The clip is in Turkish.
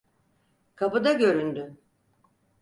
Kapıda göründü...